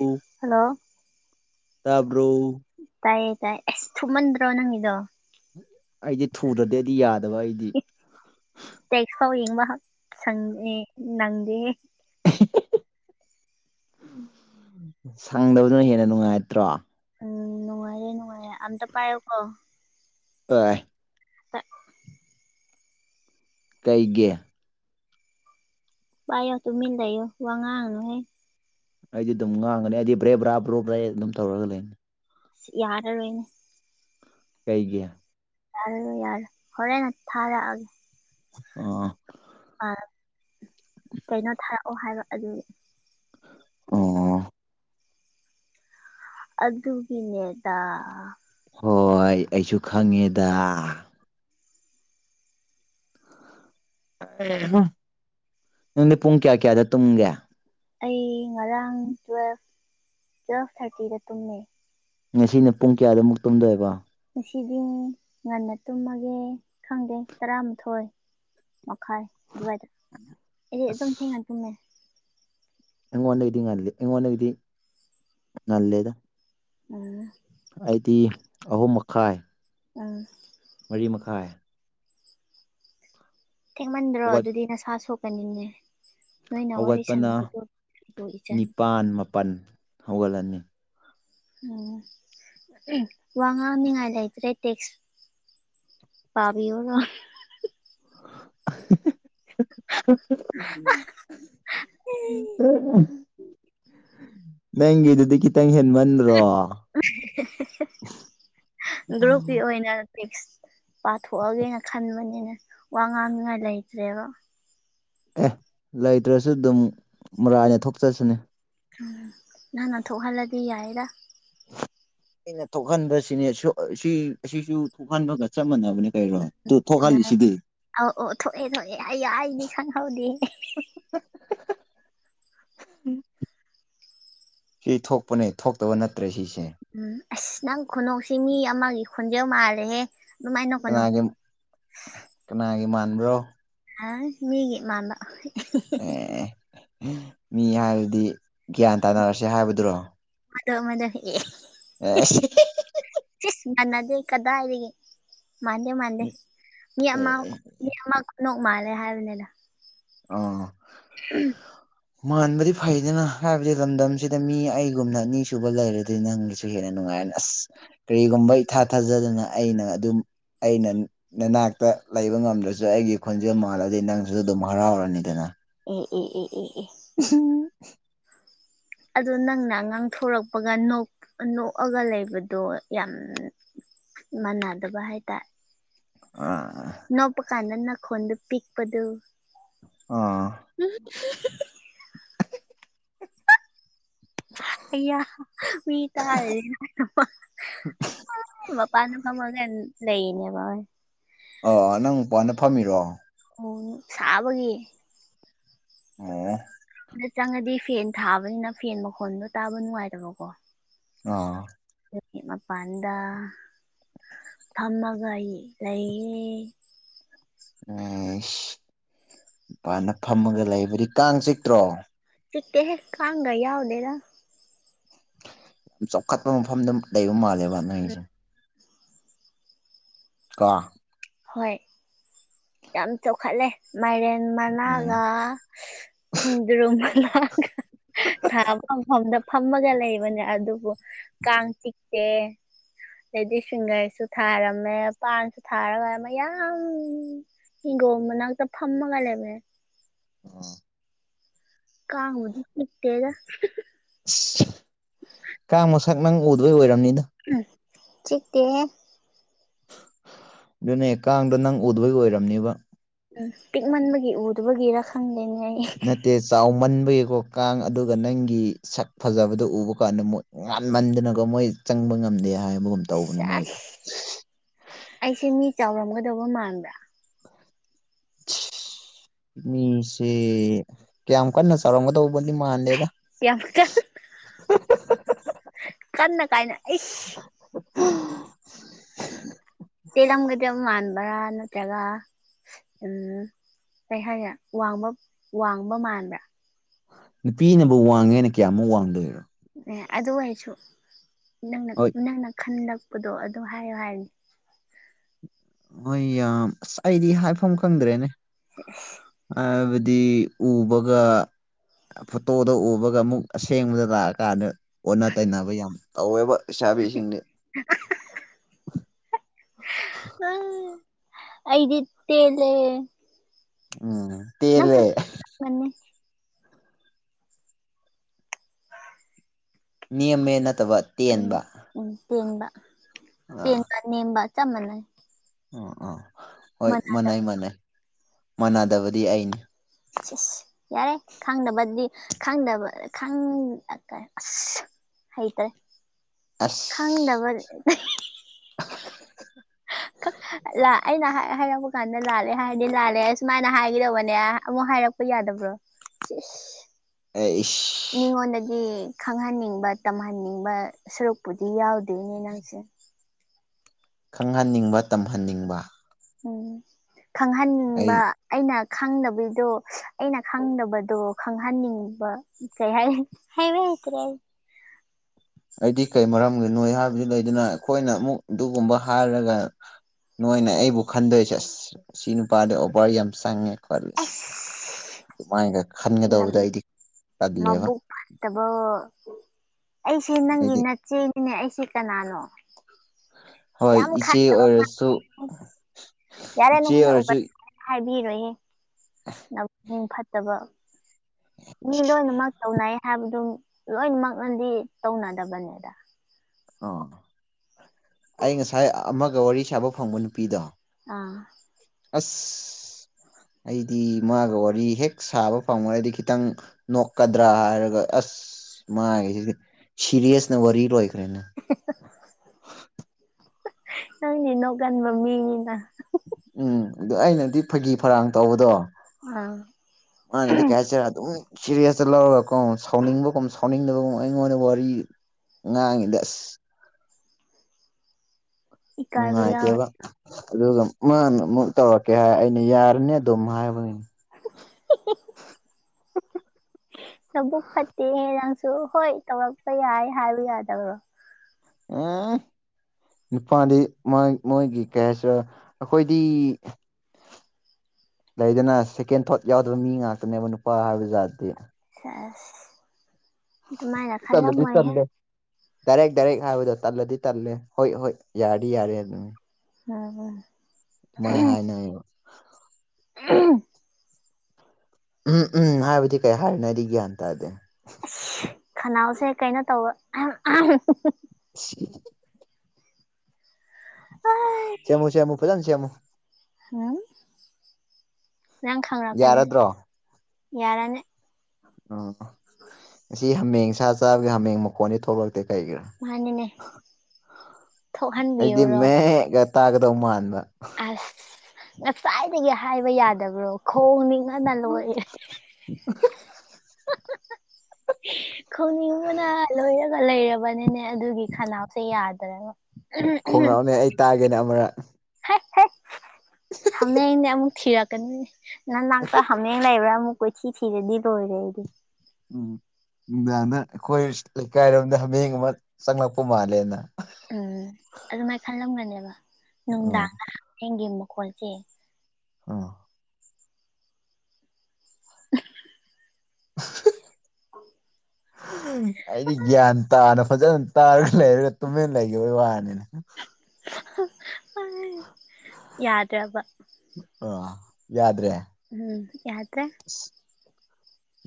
ꯑꯣ ꯍꯜꯂꯣ ꯇꯥꯕꯣ ꯇꯥꯏꯦ ꯇꯥꯏꯌꯦ ꯑꯦꯁ ꯊꯨꯃꯟ꯭ꯔꯣ ꯅꯪꯗꯣ ꯑꯩꯗꯤ ꯊꯨꯗ꯭ꯔꯗꯤ ꯑꯩꯗꯤ ꯌꯥꯗꯕ ꯑꯩꯗꯤ ꯇꯦꯛꯁ ꯐꯥꯎ ꯌꯦꯡꯕ ꯁꯪꯦ ꯅꯪꯗꯦ ꯁꯪꯗꯕꯗꯨꯅ ꯍꯦꯟꯅ ꯅꯨꯡꯉꯥꯏꯇ꯭ꯔꯣ ꯎꯝ ꯅꯨꯡꯉꯥꯏꯦ ꯅꯨꯡꯉꯥꯏꯦ ꯑꯇ ꯄꯥꯏ ꯀꯣ ꯑ ꯇꯩꯒꯤꯦ ꯄꯕꯥꯏꯣ ꯇꯨ ꯃꯤꯜꯗꯥꯏ ꯌꯣ ꯋꯥꯉꯥꯥꯡꯜꯅꯍꯦ ꯑꯩꯗꯤ ꯑꯗꯨꯝ ꯉꯥꯡꯒꯅꯤ ꯑꯩꯗꯤ ꯕ꯭ꯔꯦ ꯕ꯭ꯔꯥ ꯕ꯭ꯔꯨꯞ ꯕ꯭ꯔꯦ ꯑꯗꯨꯝ ꯇꯧꯔꯒ ꯂꯩꯅꯤ ꯑꯁ ꯌꯥꯔꯔꯣꯏꯅꯦ ꯀꯩꯒꯤ ꯌꯥꯔꯣ ꯌꯥꯔꯦ ꯍꯣꯔꯦꯟꯅ ꯊꯥꯔꯛꯑꯒꯦ ꯑꯣ ꯀꯩꯅꯣ ꯊꯥꯔꯛꯑꯣ ꯍꯥꯏꯕ ꯑꯗꯨꯒꯤ ꯑꯣ ꯑꯗꯨꯒꯤꯅꯦꯗꯥ ꯍꯣꯏ ꯑꯩꯁꯨ ꯈꯪꯉꯦꯗ ꯅꯨꯅꯨꯡꯗꯤ ꯄꯨꯡ ꯀꯌꯥ ꯀꯌꯥꯗ ꯇꯨꯝꯒꯦ ꯑꯩ ꯉꯔꯥꯡ ꯇꯨꯋꯦꯜꯐ ꯇꯨꯋꯦꯜꯐ ꯊꯥꯔꯇꯤꯗ ꯇꯨꯝꯃꯦ ꯉꯁꯤꯅ ꯄꯨꯡ ꯀꯌꯥꯗꯨꯛ ꯇꯨꯝꯗꯣꯏꯦꯕꯣ ꯉꯁꯤꯗꯤ ꯉꯟꯅ ꯇꯨꯝꯃꯒꯦ ꯈꯪꯗꯦ ꯇꯔꯥꯃꯥꯊꯣꯏ ꯃꯈꯥꯏ ꯋꯥꯏꯗ ꯑꯦꯔ ꯑꯗꯨꯝ ꯊ ꯍꯥ ꯑꯗꯨꯃꯦ ꯑꯦꯉꯣꯅ ꯏꯗꯤ ꯉꯜꯦ ꯌꯦꯉꯣꯅ ꯏꯗꯤ ꯅꯜꯦꯗ ꯑꯣ ꯑꯩꯗꯤ ꯑꯍꯨꯝ ꯃꯈꯥꯏ ꯎꯝ ꯃꯔꯤ ꯃꯈꯥꯏ ꯊꯦꯡꯃꯟꯗ꯭ꯔꯣ ꯍꯧꯒꯠ ꯑꯗꯨꯗꯤ ꯅꯁꯥ ꯁꯣꯛꯀꯅꯤꯅꯦ ꯅꯣꯏꯅ ꯋꯥꯔꯤ ꯁꯥꯟꯅꯕꯗꯨꯣꯕꯨ ꯏꯆꯟ꯫ ꯄꯥꯟ ꯃ ꯄꯟ ꯍꯧꯒꯠꯂꯅꯤ꯫ ꯎꯝ ꯋꯥ ꯉꯥꯡꯅꯤꯉꯥꯏ ꯂꯩ ꯂꯩꯇ꯭ꯔꯦ ꯇꯦꯛꯁ꯫ ꯄꯥꯕꯤ ꯑꯣꯏꯅꯣ꯫ [unintelligible] ꯎꯝ ꯅꯪꯒꯤ ꯑꯗꯨꯗꯤ ꯈꯤꯇꯪ ꯍꯦꯟꯃꯟ [unintelligible] ꯒ꯭ꯔꯨꯞꯀꯤ ꯑꯣꯏꯅ ꯐꯤꯛꯁ꯫ ꯄꯥꯊꯣꯛꯑꯒꯦꯅ ꯈꯟꯕꯅꯤꯅ ꯋꯥ ꯉꯥꯡꯅꯤꯉꯥꯏ ꯂꯩꯇ꯭ꯔꯦꯕ ꯑꯦ ꯂꯩꯇ꯭ꯔꯁꯨ ꯑꯗꯨꯝ ꯃꯔꯥꯏꯅ ꯊꯣꯛꯆꯁꯤꯅꯦ ꯎꯝ ꯅꯪꯅ ꯊꯣꯛꯍꯜꯂꯗꯤ ꯌꯥꯏꯔꯥ ꯑꯩꯅ ꯊꯣꯛꯍꯟꯕꯁꯤꯅꯦ ꯁꯤ ꯑꯁꯤꯁꯨ ꯊꯣꯛꯍꯟꯕꯒ ꯆꯞ ꯃꯥꯟꯅꯕꯅꯦ ꯀꯩꯔꯣ ꯊꯣꯛꯍꯜꯂꯤꯁꯤꯗꯤ ꯑꯧ ꯑꯣ ꯊꯣꯛꯑꯦ ꯊꯣꯛꯑꯦ ꯑꯩ ꯌꯥ ꯑꯩꯒꯤ ꯈꯪꯍꯧꯗꯦ ꯁꯤ ꯊꯣꯛꯄꯅꯦ ꯊꯣꯛꯇꯕ ꯅꯠꯇ꯭ꯔꯦ ꯁꯤꯁꯦ ꯎꯝ ꯑꯁ ꯅꯪ ꯈꯨꯅꯣꯛꯁꯤ ꯃꯤ ꯑꯃꯒꯤ ꯈꯣꯟꯖꯦꯜ ꯃꯥꯜꯂꯦꯍꯦ ꯑꯗꯨꯃꯥꯏꯅ ꯅꯣꯛꯀꯅꯨ ꯀꯅꯥꯒꯤ ꯀꯅꯥꯒꯤ ꯃꯥꯟꯕ꯭ꯔꯣ ꯑ ꯃꯤꯒꯤ ꯃꯥꯟꯕ꯫ ꯑꯦ ꯃꯤ ꯍꯥꯏꯔꯗꯤ ꯒ꯭ꯌꯥꯟ ꯇꯥꯅꯔꯁꯦ ꯍꯥꯏꯕꯗꯨꯔꯣ꯫ ꯃꯗ ꯃꯗ ꯑꯥꯏꯁ ꯁꯤꯁ ꯃꯥꯟꯅꯗꯦ ꯀꯗꯥꯏꯗꯒꯤ꯫ ꯃꯥꯟꯗꯦ ꯃꯥꯟꯗꯦ ꯃꯤ ꯑꯃ ꯑꯦ ꯃꯤ ꯑꯃ ꯈꯨꯅꯣꯛ ꯃꯥꯜꯂꯦ ꯍꯥꯏꯕꯅꯤꯗ꯫ ꯑ [unintelligible] ꯃꯥꯟꯕꯗꯤ ꯐꯩꯗꯅ ꯍꯥꯏꯕꯗꯤ ꯂꯝꯗꯝꯁꯤꯗ ꯃꯤ ꯑꯩꯒꯨꯝꯅ ꯑꯅꯤꯁꯨꯨꯕ ꯂꯩꯔꯗꯤ ꯅꯪꯒꯤꯁꯦ꯫ ꯁꯨ ꯍꯦꯟꯅ ꯅꯨꯡꯉꯥꯏꯔ ꯑꯁ ꯀꯔꯤꯒꯨꯝꯕ ꯏ ꯊꯥ ꯊꯥꯖꯗꯅ ꯑꯩꯅ ꯑꯗꯨꯝ꯫ ꯑꯩꯅ ꯅꯅꯥꯛꯇ ꯂꯩꯕ ꯉꯝꯗ꯭ꯔꯁꯨ ꯑꯩꯒꯤ ꯈꯣꯟꯖꯦꯜ ꯃꯥꯜꯂꯗꯤ ꯅꯪꯁꯨ ꯑꯗꯨꯝ꯫ ꯍꯔꯥꯎꯔꯅꯤꯗꯅ꯫ ꯎꯝ ꯎꯝ ꯎꯝ ꯎꯝ ꯎꯝ꯫ ꯎꯝꯍꯝ꯫ ꯑꯗꯣ ꯅꯪꯅ ꯉꯥꯡꯊꯣꯔꯛꯄꯒ ꯅꯣꯛꯑꯒ ꯂꯩꯕꯗꯣ ꯌꯥꯝ ꯃꯥꯟꯅꯗꯕ ꯍꯥꯏꯇꯥꯔꯦ꯫ ꯑ꯫ ꯅꯣꯞꯄ ꯀꯥꯟꯗ ꯅꯈꯣꯟꯗꯣ ꯄꯤꯛꯄꯗꯨ꯫ ꯑꯥ꯫ ꯎꯝ ꯍꯤꯍꯤꯍꯤ꯫ ꯑꯌꯥ ꯃꯤ ꯇꯥꯔꯗꯤ ꯫ [unintelligible] ꯃꯄꯥꯟꯗ ꯐꯝꯃꯒ ꯂꯩꯔꯤꯅꯦꯕ꯫ ꯑꯥ ꯅꯪ ꯃꯄꯥꯗ ꯐꯝꯃꯤꯔꯣ꯫ ꯑꯣ ꯁꯥꯕꯒꯤ꯫ ꯑꯣ꯫ ꯑꯗ ꯆꯪꯉꯗꯤ ꯐꯦꯟ ꯊꯥꯕꯅꯤꯅ ꯐꯦꯟ ꯃꯈꯣꯟꯗꯣ ꯇꯥꯕ ꯅꯨꯡꯉꯥꯏꯇꯕꯀꯣ꯫ ꯑꯥ꯫ [unintelligible] ꯃꯄꯥꯟꯗ ꯐꯝꯃꯒ ꯑꯩ ꯂꯩꯌꯦ꯫ ꯑꯦꯁ ꯃꯄꯥꯥꯟꯅ ꯐꯝꯃꯒ ꯂꯩꯕꯗꯤ ꯀꯥꯡ ꯆꯤꯛꯇ꯭ꯔꯣ꯫ ꯄꯤꯛꯇꯦ ꯍꯦ ꯈꯥꯡꯒ ꯌꯥꯎꯗꯦꯗ꯫ ꯌꯥꯝ ꯆꯥꯎꯈꯠꯄ ꯃꯐꯝꯗ ꯂꯩꯕ ꯃꯥꯜꯂꯦꯕ ꯅꯪꯒꯤꯁꯦ꯫ ꯀꯥ ꯍꯣꯏ ꯌꯥꯝ ꯆꯥꯎꯈꯠꯂꯦ ꯃꯥꯏꯔꯦꯟ ꯎꯝ ꯃꯅꯥꯒ ꯈꯣꯡꯗ꯭ꯔꯨꯝ ꯃꯅꯥꯒ ꯊꯥꯕ ꯃꯐꯝꯗ ꯐꯝꯃꯒ ꯂꯩꯕꯅꯦ ꯑꯗꯨꯕꯨ ꯀꯥꯡ ꯆꯤꯛ ꯇ‌ꯦ ꯂꯦꯗꯤꯁ ꯐꯤꯡꯒꯔꯁꯨ ꯊꯥꯔꯝꯃꯦ ꯄꯥꯟꯁꯨ ꯊꯥꯔꯒ ꯑꯝ ꯃꯌꯥꯝ ꯍꯤꯡꯒꯣꯜ ꯃꯅꯥꯛꯇ ꯐꯝꯃꯒ ꯂꯩꯕꯅꯦ ꯑꯣ ꯀꯥꯡꯕꯨꯗꯤ ꯆꯤꯛꯇꯦꯗ [unintelligible] ꯑꯁ [unintelligible] ꯀꯥꯡ ꯃꯁꯛ ꯅꯪ ꯎꯗꯕꯩ ꯑꯣꯏꯔꯝꯅꯤꯗ ꯎꯝ ꯆꯤꯛꯇꯦꯍꯦ ꯑꯗꯨꯅꯦ ꯀꯥꯡꯗꯣ ꯅꯪ ꯎꯗꯕꯩ ꯑꯣꯏꯔꯝꯅꯦꯕ꯫ ꯎꯝ ꯄꯤꯛꯃꯟꯕꯒꯤ ꯎꯗꯨꯕꯒꯤꯔ ꯈꯪꯗꯦꯅꯦ ꯑꯩ꯫ ꯅꯠꯇꯦ ꯆꯥꯎꯃꯟꯕꯒꯤꯀꯣ ꯀꯥꯡ ꯑꯗꯨꯒ ꯅꯪꯒꯤ ꯁꯛ ꯐꯖꯕꯗꯣ ꯎꯕ ꯀꯥꯟꯗ ꯃꯣꯏ꯫ ꯉꯥꯟꯃꯟꯗꯅꯀꯣ ꯃꯣꯏ ꯆꯪꯕ ꯉꯝꯗꯦ ꯍꯥꯏꯕꯒꯨꯝ ꯇꯧꯕꯅꯦ ꯁꯦꯁ ꯃꯣꯏꯗꯣ ꯑꯩꯁꯦ ꯃꯤ ꯆꯥꯎꯔꯝꯒꯗꯧꯕ ꯃꯥꯟꯕ꯭ꯔꯥ꯫ ꯃꯤꯁꯦ ꯀꯌꯥꯝ ꯀꯟꯅ ꯆꯥꯎꯔꯝꯒꯗꯧꯕꯗꯤ ꯃꯥꯟꯗꯦꯗ꯫ ꯌꯥꯝ ꯀꯟ ꯀꯟꯅ ꯀꯥꯏꯅ ꯑꯩꯁ꯫ ꯇ‌ꯦꯜꯂꯝꯒꯗꯕ ꯃꯥꯥꯟꯕ꯭ꯔꯥ ꯅꯠꯇ꯭ꯔꯒ ꯫ ꯎꯝ ꯀꯩ ꯍꯥꯏꯈꯔꯦ ꯋꯥꯡꯕ ꯋꯥꯡꯕ ꯃꯥꯟꯕ꯭ꯔꯥ꯫ ꯅꯨꯄꯤꯅꯕꯨ ꯋꯥꯡꯉꯦꯅ ꯀꯌꯥꯃꯨꯛ ꯋꯥꯡꯗꯣꯏꯔꯣ ꯑꯦ ꯑꯗꯨ ꯑꯣꯏꯁꯨ ꯅꯪꯅ ꯍꯣꯏ ꯅꯪꯅ ꯈꯟꯂꯛꯄꯗꯣ ꯑꯗꯨ ꯍꯥꯏꯌꯣ ꯍꯥꯏꯕꯅꯤ ꯍꯣꯏ ꯌꯥꯝ ꯑꯁ ꯑꯩꯗꯤ ꯍꯥꯏꯐꯝ ꯈꯪꯗ꯭ꯔꯦꯅꯦ ꯑꯁ ꯍꯥꯏꯕꯗꯤ ꯎꯕꯒ ꯐꯣꯇꯣꯗ ꯎꯕꯒ ꯑꯃꯨꯛ ꯑꯁꯦꯡꯕꯗ ꯂꯥꯛꯑꯀꯥꯟꯗ ꯑꯣꯟꯅ ꯇꯩꯅꯕ ꯌꯥꯝ ꯇꯧꯋꯦꯕꯥ ꯂꯩꯁꯥꯕꯤ ꯁꯤꯡꯗꯤ ꯎꯝ ꯑꯩꯗꯤ ꯇꯦꯟꯂꯦ ꯎꯝ ꯅꯪꯁꯨ ꯇꯦꯜꯂꯦ [unintelligible] ꯅꯦꯝꯃꯦ ꯅꯠꯇꯕ ꯎꯝ ꯇꯦꯟꯕ ꯎꯝ ꯇꯦꯟꯕ ꯑ ꯅꯦꯝꯕꯥ ꯆꯞ ꯃꯥꯅꯩ ꯎꯝ ꯑꯥ ꯍꯣꯏ ꯃꯥꯟꯅꯩ ꯃꯅꯥꯗꯕ ꯃꯥꯟꯅꯩ ꯃꯥꯟꯅꯗꯕꯗꯤ ꯑꯩꯅꯤ ꯁꯤꯁ ꯌꯥꯔꯦ ꯈꯪꯗꯕꯗꯤ ꯈꯪꯗꯕ ꯈꯪ ꯀ ꯑꯁ ꯍꯩꯇꯔꯦ ꯑꯁ ꯈꯪꯗꯕ [unintelligible] [unintelligible] ꯑꯩꯅ ꯍꯥꯏ ꯍꯥꯏꯔꯛꯄ ꯀꯥꯟꯗ ꯂꯥꯜꯂꯦ ꯍꯥꯏꯔꯗꯤ ꯂꯥꯜꯂꯦ ꯁꯨꯃꯥꯏꯅ ꯍꯥꯏꯒꯗꯧꯕꯅꯦ ꯑꯃꯨꯛ ꯍꯥꯏꯔꯛ ꯄ ꯌꯥꯗꯕ꯭ꯔꯣ ꯁꯤꯁ ꯑꯩꯁ ꯃꯤꯉꯣꯟꯗꯗꯤ ꯈꯪꯍꯟꯅꯤꯡꯕ ꯇꯝꯍꯟꯅꯤꯡꯕ ꯁꯔꯨꯛꯄꯨꯗꯤ ꯌꯥꯎꯗ‌ꯣꯏꯅꯦ ꯅꯪꯁꯦ ꯈꯪꯍꯟꯅꯤꯡꯕ ꯇꯝꯍꯟꯅꯤꯡꯕ ꯎꯝ ꯑꯩ ꯈꯪꯍꯟꯅꯤꯡꯕ ꯑꯩꯅ ꯈꯪꯗꯕꯩꯗꯣ ꯑꯩꯅ ꯈꯪꯗꯕꯗꯣ ꯈꯪꯍꯟꯅꯤꯡꯕ ꯀꯩꯍꯥꯏꯅꯤ ꯍꯥꯏꯕ ꯍꯩꯇ꯭ꯔꯦ ꯑꯩ ꯑꯩꯗꯤ ꯀꯩ ꯃꯔꯝꯒꯤꯅꯣ ꯍꯥꯏꯕꯗꯨ ꯂꯩꯗꯅ ꯑꯩꯈꯣꯏꯅ ꯑꯃꯨꯛ ꯑꯗꯨꯒꯨꯝꯕ ꯍꯥꯏꯔꯒ ꯅꯣꯏꯅ ꯑꯩꯕꯨ ꯈꯟꯗꯣꯏꯁꯦ ꯑꯁ ꯁꯤ ꯅꯨꯄꯥꯗꯣ ꯑꯣꯚꯔ ꯌꯥꯝ ꯆꯪꯉꯦ [unintelligible] ꯑꯁ ꯑꯁ ꯑꯗꯨꯃꯥꯏꯒ ꯈꯟꯒꯗꯧꯕꯗ‌ꯣ ꯑꯩꯗꯤ ꯇꯜꯂꯦꯕ ꯇꯕꯣ ꯑꯩꯁꯦ ꯅꯪꯒꯤ ꯑꯩꯗꯤ ꯅꯆꯦꯅꯤꯅꯦ ꯑꯩꯁꯦ ꯀꯅꯥꯅꯣ ꯍꯣꯏ ꯀꯌꯥꯝ ꯏꯆꯦ ꯑꯣꯏꯔꯁꯨ [unintelligible] ꯌꯥꯔꯦ ꯏꯆꯦ ꯑꯣꯏꯔꯁꯨ [unintelligible] ꯍꯥꯏꯕꯤꯔꯣꯏꯍꯦ [unintelligible] ꯐꯠꯇꯕ ꯃꯤ ꯂꯣꯏꯅꯃꯛ ꯇꯧꯅꯩ ꯍꯥꯏꯕꯗꯨ ꯂꯣꯏꯅꯃꯛꯅꯗꯤ ꯇꯧꯅꯗꯕꯅꯦꯗ ꯑꯥ ꯑꯩ ꯉꯁꯥꯏ ꯑꯃꯒ ꯋꯥꯔꯤ ꯁꯥꯕ ꯐꯪꯕ ꯅꯨꯄꯤꯗꯣ ꯑꯥ ꯑꯁ ꯑꯩꯗꯤ ꯃꯥꯒ ꯋꯥꯔꯤ ꯍꯦꯛ ꯁꯥꯕ ꯐꯪꯉꯗꯤ ꯈꯤꯇꯪ ꯅꯣꯛꯀꯗ꯭ꯔꯥ ꯍꯥꯏꯔꯒ ꯑꯁ ꯃꯥꯒꯤꯁꯤꯗꯤ ꯁꯤꯔꯤꯌꯁꯅ ꯋꯥꯔꯤ ꯂꯣꯏꯈ꯭ꯔꯦꯅꯦ [unintelligible] ꯅꯪꯗꯤ ꯅꯣꯛꯀꯟꯕ ꯃꯤꯅꯤꯅ ꯎꯝ ꯑꯗꯨ ꯑꯩꯅꯗꯤ ꯐꯥꯒꯤ ꯐꯔꯥꯡ ꯇꯧꯕꯗꯣ ꯑꯝ ꯃꯥꯅꯗꯤ ꯀꯩ ꯍꯥꯏꯁꯤꯔ ꯑꯗꯨꯝ ꯁꯦꯔꯤꯁꯇ ꯂꯧꯔꯒꯀꯣ ꯁꯥꯎꯅꯤꯡꯕꯒꯨꯝ ꯁꯥꯎꯅꯤꯡꯗꯕꯒꯨꯝ ꯑꯩꯉꯣꯟꯗ ꯋꯥꯔꯤ ꯉꯥꯡꯉꯤꯗꯣ ꯑꯁ ꯏꯀꯥꯏꯕ ꯌꯥꯎꯋꯦ ꯅꯨꯡꯉꯥꯏꯇꯦꯕ ꯑꯗꯨꯒ ꯃꯥꯅ ꯑꯃꯨꯛ ꯇꯧꯔꯛꯀꯦ ꯍꯥꯏ ꯑꯩꯅ ꯌꯥꯔꯅꯤ ꯑꯗꯨꯝ ꯍꯥꯏꯕꯅꯤ [unintelligible] ꯅꯕꯨꯛ ꯐꯠꯇꯦꯍꯦ ꯅꯪꯁꯨ ꯍꯣꯏ ꯇꯧꯔꯛꯄ ꯌꯥꯏ ꯍꯥꯏꯌꯨ ꯌꯥꯗꯕ꯭ꯔꯣ ꯑꯦ ꯅꯨꯄꯥꯗꯤ ꯃꯣꯏꯒꯤ ꯀꯩ ꯍꯥꯏꯁꯤꯔ ꯑꯩꯈꯣꯏꯗꯤ ꯂꯩꯗꯅ ꯁꯦꯀꯦꯟ ꯊꯣꯠ ꯌꯥꯎꯗꯕ ꯃꯤ ꯉꯥꯛꯇꯅꯦꯕ ꯅꯨꯄꯥ ꯍꯥꯏꯕ ꯖꯥꯠꯇꯤ [unintelligible] ꯑꯗꯨꯃꯥꯏꯅ ꯆꯜꯂꯗꯤ ꯈꯜꯂꯝꯃꯣꯏꯍꯦ ꯆꯜꯂꯦ ꯗꯥꯏꯔꯦꯛ ꯗꯥꯏꯔꯦꯛ ꯍꯥꯏꯕꯗꯣ ꯇꯜꯂꯗꯤ ꯇꯜꯂꯦ ꯍꯣꯏ ꯍꯣꯏ ꯌꯥꯔꯗꯤ ꯌꯥꯔꯦ ꯑꯗꯨꯅꯤ [unintelligible] ꯃꯣꯏ ꯍꯥꯏꯅꯕ [unintelligible] ꯎꯝ ꯎꯝ ꯍꯥꯏꯕꯗꯤ ꯀꯩ ꯍꯥꯏꯔꯤꯅꯣꯗꯤ ꯒ꯭ꯌꯥꯟ ꯇꯥꯗꯦ ꯑꯁ ꯈꯅꯥꯎꯁꯦ ꯀꯩꯅꯣ ꯇꯧꯕ ꯑꯍꯝ ꯑꯍꯝ [unintelligible] [inaudible] ꯁꯦꯞꯃꯨ ꯁꯦꯝꯃꯨ ꯐꯖꯟ ꯁꯦꯝꯃꯨ ꯎꯝ ꯅꯪ ꯈꯪꯉꯛꯀꯅꯦ ꯌꯥꯔꯗ꯭ꯔꯣ ꯌꯥꯔꯅꯤ ꯎꯝ ꯉꯁꯤ ꯍꯥꯃꯦꯡ ꯁꯥ ꯆꯥꯕꯒꯤ ꯍꯥꯃꯦꯡ ꯃꯈꯣꯟꯗꯤ ꯊꯣꯛꯂꯛ ꯃꯥꯅꯤꯅꯦ [unintelligible] ꯑꯩꯗꯤ ꯊꯣꯛꯍꯟꯕꯤꯌꯨꯔꯣ ꯃꯦ ꯇꯥꯒꯗꯧ ꯃꯥꯟꯕ ꯑꯁ ꯉꯁꯥꯏꯗꯒꯤ ꯍꯥꯏꯕ ꯌꯥꯗꯕ꯭ꯔꯣ ꯈꯣꯡꯅꯤꯡ ꯕꯅ ꯂꯣꯏꯔꯦ [unintelligible] ꯈꯣꯡꯅꯤꯡꯕꯅ ꯂꯣꯏꯔꯒ ꯂꯩꯔꯕꯅꯤꯅꯦ ꯑꯗꯨꯒꯤ ꯈꯅꯥꯎꯁꯦ ꯌꯥꯗ꯭ꯔ ꯈꯣꯡꯉꯛꯑꯣꯅꯦ ꯑꯩ ꯇꯥꯒꯦꯅꯦ ꯑꯃꯔꯛ ꯍꯩ ꯍꯩ ꯍꯥꯃꯦꯡꯅꯦ ꯑꯃꯨꯛ ꯊꯤꯔꯛꯀꯅꯤꯅꯦ ꯅꯥꯅꯥꯛꯇ ꯍꯥꯃꯦꯡ ꯂꯩꯕ꯭ꯔꯥ ꯑꯃꯨꯛ ꯀꯣꯏꯊꯤ ꯊꯤꯔꯗꯤ ꯂꯣꯏꯔꯦ ꯑꯩꯗꯤ [unintelligible] ꯑꯩꯈꯣꯏ ꯂꯩꯀꯥꯏꯔꯣꯝꯗ ꯍꯥꯃꯦꯡ ꯑꯃ ꯆꯪꯂꯛꯄ ꯃꯥꯜꯂꯦꯅ ꯎꯝ ꯑꯗꯨꯃꯥꯏꯅ ꯈꯜꯂꯝꯒꯅꯦꯕ ꯎꯝ ꯅꯨꯡꯗꯥꯡ ꯍꯃꯦꯡꯒꯤ ꯃꯈꯣꯜꯁꯦ ꯑꯣ ꯑꯩꯗꯤ ꯒ꯭ꯌꯥꯟ ꯇꯥꯅ ꯐꯖꯅ ꯇꯥꯔꯒ ꯂꯩꯔꯒ ꯇꯨꯃꯤꯟꯅ ꯂꯩꯈꯤꯕꯒꯤ ꯋꯥꯅꯤꯗ [unintelligible] ꯌꯥꯗ꯭ꯔꯦꯕ ꯑꯥ ꯌꯥꯗ꯭ꯔꯦ ꯎꯝ ꯌꯥꯗ꯭ꯔꯦ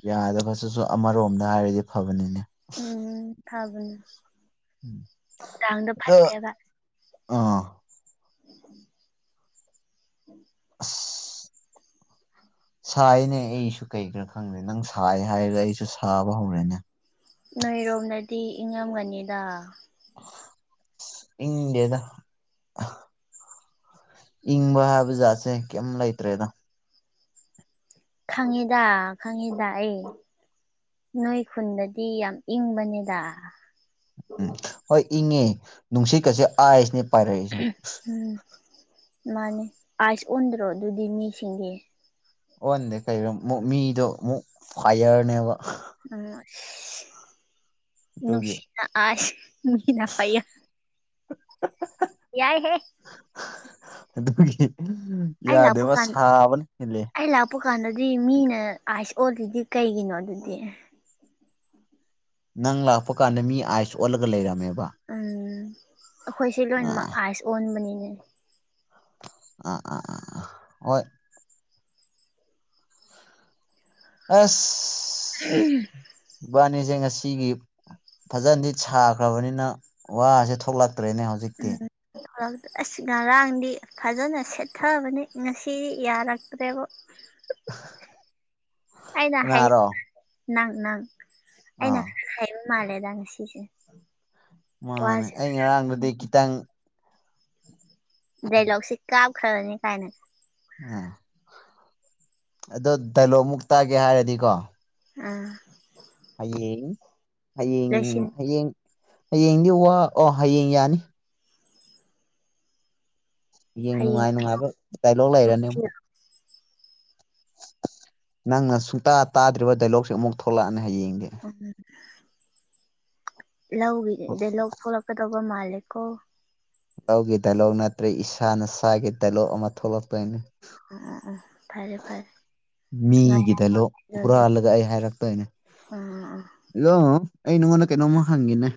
ꯌꯥꯗ ꯐꯕꯁꯤꯁꯨ ꯑꯃꯔꯣꯝꯗ ꯍꯥꯏꯔꯗꯤ ꯐꯕꯅꯤꯅꯦ ꯎꯝ ꯊꯥꯕꯅ ꯀꯥꯡꯥꯡꯗ ꯑꯗꯣ ꯐꯔꯠꯇꯦꯕ ꯑꯥ [inaudible] ꯁꯥꯏꯅꯦ ꯑꯩꯁꯨ ꯀꯩ ꯈꯔꯥ ꯈꯪꯗꯦ ꯅꯪ ꯁꯥꯏ ꯍꯥꯏꯔꯒ ꯑꯩꯁꯨ ꯁꯥꯕ ꯍꯧꯔꯦꯅꯦ ꯅꯣꯏꯔꯣꯝꯅꯗꯤ ꯏꯪꯉꯝꯒꯅꯤꯗ ꯏꯦꯗ ꯏꯪꯕ ꯍꯥꯏꯕ ꯖꯥꯠꯁꯦ ꯀꯩꯝ ꯂꯩꯇ꯭ꯔꯦꯗ ꯈꯪꯉꯦꯗ ꯈꯪꯉꯦꯗ ꯑꯩ ꯅꯣꯏ ꯈꯨꯟꯗꯗꯤ ꯌꯥꯝ ꯏꯪꯕꯅꯦꯗ ꯎꯝ ꯍꯣꯏ ꯏꯪꯉꯦ ꯅꯨꯡꯁꯤꯠ ꯀꯁꯦ ꯑꯥꯏꯁꯅꯦ ꯄꯥꯏꯔꯛꯏꯁꯦ ꯎꯝ ꯃꯥꯅꯤ ꯑꯥꯏꯁ ꯑꯣꯟꯗ꯭ꯔꯣ ꯑꯗꯨꯗꯤ ꯃꯤꯁꯤꯡꯗꯤ ꯑꯣꯟꯗꯦ ꯀꯩꯩꯅꯣꯛ ꯃꯤꯗꯣ ꯑꯃꯨꯛ ꯐꯥꯏꯌꯔꯅꯦꯕ ꯎ ꯑꯗꯨꯒꯤ ꯅꯁꯤꯅꯥ ꯑꯁ ꯃꯅꯥ ꯐꯩꯌꯥ [inaudible] ꯌꯥꯏ ꯍꯦ ꯑꯗꯨꯒꯤ ꯌꯥꯗꯦꯕ ꯁꯥꯕꯅ ꯍꯤꯂꯦ ꯍꯥꯄ ꯀꯥꯟꯗꯗꯤ ꯃꯤꯅ ꯑꯥꯏꯁ ꯑꯣꯜꯂꯤꯗꯤ ꯀꯩꯒꯤꯅꯣ ꯑꯗꯨꯗꯤ ꯅꯪ ꯂꯥꯛꯄ ꯀꯥꯟꯗ ꯃꯤ ꯑꯥꯏꯁ ꯑꯣꯜꯂꯒ ꯂꯩꯔꯝꯃꯦꯕ ꯎꯝ ꯑꯩꯈꯣꯏꯁꯦ ꯑ ꯂꯣꯏꯅꯃꯛ ꯑꯥꯏꯁ ꯑꯣꯟꯕꯅꯤꯅꯦ ꯑꯥ ꯑꯥ ꯍꯣꯏ ꯑꯁ ꯎꯝ ꯕꯥꯅꯤꯁꯦ ꯉꯁꯤꯒꯤ ꯐꯖꯅꯗꯤ ꯁꯥꯈ꯭ꯔꯕꯅꯤꯅ ꯋꯥꯁꯦ ꯊꯣꯛꯂꯛꯇ꯭ꯔꯦꯅꯦ ꯍꯧꯖꯤꯛ ꯎꯝ ꯑꯁ ꯉꯔꯥꯡꯗꯤ ꯐꯖꯅ ꯁꯦꯠꯊꯕꯅꯤ ꯉꯁꯤꯗꯤ ꯌꯥꯔꯛꯇ꯭ꯔꯦꯕ [inaudible] ꯑꯩꯅ ꯍꯥꯏ ꯀꯅꯥꯔꯣ ꯅꯪ ꯅꯪ ꯑꯩꯅ ꯑꯥ ꯍ ꯃꯥ ꯂꯩꯦꯗꯉ ꯁꯤꯁꯦ ꯃꯥꯅꯦ ꯑꯩ ꯉꯔꯥꯡꯗꯨꯗꯤ ꯎꯝ ꯈꯤꯇꯪ ꯗꯥꯏꯂꯣꯣꯛꯁꯤꯦ ꯀꯥꯞꯈ꯭ꯔꯅꯤ ꯀꯥꯏꯅ ꯑꯥ ꯑꯗꯣ ꯗꯥꯏꯂꯣꯛ ꯃꯨꯛ ꯇꯥꯒꯦ ꯍꯥꯏꯔꯗꯤꯀꯣ ꯑꯥ ꯍꯌꯦꯡ ꯍꯌꯦꯡ ꯂꯣꯏꯁꯤꯟ ꯍꯌꯦꯡ ꯍꯌꯦꯡꯗꯤ ꯋꯥ ꯑꯣ ꯍꯌꯦꯡ ꯌꯥꯅꯤ ꯌꯦꯡ ꯍꯌꯦꯡ ꯅꯨꯡꯉꯥꯏ ꯅꯨꯡꯉꯥꯏꯕ ꯗꯥꯏꯂꯣꯛ ꯂꯩꯔꯅꯦ ꯑꯃꯨꯛ ꯅꯪꯅ ꯁꯨꯡꯇꯥ ꯇꯥꯗ꯭ꯔꯤꯕ ꯗꯥꯏꯂꯣꯛꯁꯦ ꯑꯃꯨꯛ ꯊꯣꯛꯂꯛꯑꯅꯤ ꯍꯌꯦꯡꯗꯤ ꯎꯝ ꯂꯧꯒꯤ ꯗꯂꯣꯛ ꯄꯂꯛꯀꯗꯧꯕ ꯃꯥꯂꯦꯀꯣ ꯂꯧꯒꯤ ꯗꯥꯏꯂꯣꯛ ꯅꯠꯇ꯭ꯔꯦ ꯏꯁꯥꯅ ꯏꯁꯥꯒꯤ ꯗꯥꯏꯂꯣꯛ ꯑꯃ ꯊꯣꯛꯂꯛꯇꯣꯏꯅꯤ ꯎꯝ ꯎ ꯎꯝ ꯃꯤꯒꯤꯗ ꯂꯣ ꯑꯗꯨꯗꯤ ꯍꯨꯔꯥꯜꯂꯒ ꯑꯩ ꯍꯥꯏꯔꯛꯇꯣꯏꯅꯦ ꯑꯥ ꯑꯥ ꯏꯗꯣ ꯑꯩ ꯅꯉꯣꯟꯅ ꯀꯩꯅꯣꯝꯃ ꯍꯪꯉꯤꯅꯦ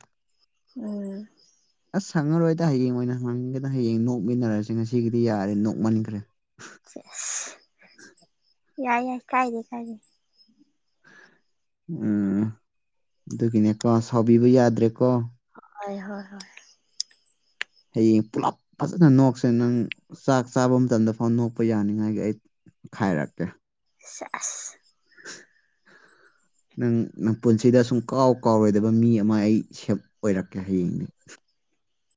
ꯎꯝ ꯑꯁ ꯍꯪꯉꯔꯣꯏꯗ ꯍꯌꯦꯡ ꯑꯣꯏꯅ ꯍꯪꯉꯒꯦꯗ ꯍꯌꯦꯡ ꯅꯣꯛꯃꯤꯟꯅꯔꯁꯦ ꯉꯁꯤꯒꯤꯗꯤ ꯌꯥꯔꯦ ꯅꯣꯛꯃꯟꯈ꯭ꯔꯦ ꯁ ꯌꯥꯏ ꯌꯥꯁꯥꯏꯗꯦ ꯀꯥꯏꯦ ꯎꯝ ꯑꯗꯨꯒꯤꯅꯦꯀꯣ ꯁꯥꯎꯕꯤꯕ ꯌꯥꯗ꯭ꯔꯦꯀꯣ ꯍ ꯍꯣꯏ ꯍꯣꯏ ꯍꯌꯦꯡ ꯄꯨꯂꯞ ꯐꯖꯅ ꯅꯣꯛꯁꯦ ꯅꯪ ꯆꯥꯛ ꯆꯥꯕ ꯃꯇꯝꯗ ꯐꯥꯎ ꯅꯣꯛꯄ ꯌꯥꯅꯤꯉꯥꯏꯒꯤ ꯑꯩ ꯈꯥꯏꯔꯛꯀꯦ ꯆ ꯅꯪ ꯅꯪ ꯄꯨꯟꯁꯤꯗ ꯁꯨꯝ ꯀꯥꯎ ꯀꯥꯎꯔꯣꯏꯗꯕ ꯃꯤ ꯑꯃ ꯑꯩ ꯁꯦꯞ ꯑꯣꯏꯔꯛꯀꯦ ꯍꯌꯦꯡꯅꯤ